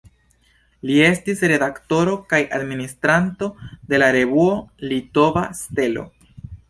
Li estis redaktoro kaj administranto de la revuo "Litova Stelo".